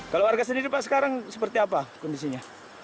kalau warga sendiri pak sekarang seperti apa kondisinya